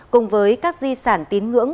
cùng với các di sản tín ngưỡng